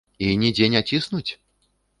І нідзе не ціснуць?